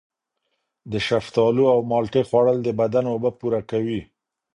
د شفتالو او مالټې خوړل د بدن اوبه پوره کوي.